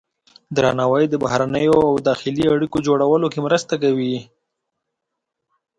درناوی د بهرنیو او داخلي اړیکو جوړولو کې مرسته کوي.